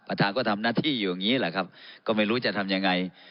ประธานก็ทำหน้าที่อยู่อย่างนี้แหละครับก็ไม่รู้จะทำยังไง